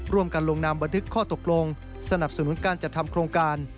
ลงนามบันทึกข้อตกลงสนับสนุนการจัดทำโครงการ